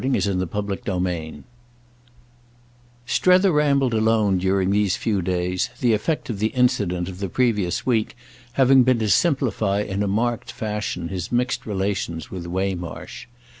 Book Eighth I Strether rambled alone during these few days, the effect of the incident of the previous week having been to simplify in a marked fashion his mixed relations with Waymarsh.